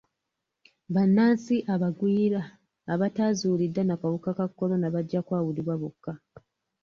Bannansi abagwira abataazuuliddwa na kawuka ka kolona bajja kwawulibwa bokka